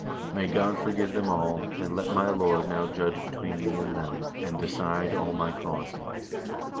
May God forgive them all ; and let my Lord now judge between me and them, and decide all my cause."